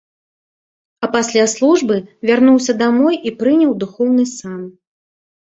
А пасля службы вярнуўся дамоў і прыняў духоўны сан.